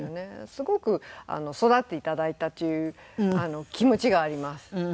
すごく育てていただいたという気持ちがあります。